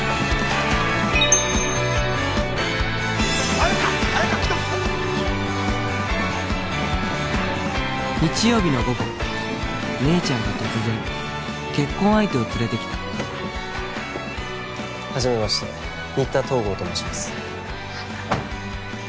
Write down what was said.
綾華綾華来たぞ日曜日の午後姉ちゃんが突然結婚相手を連れてきたはじめまして新田東郷と申します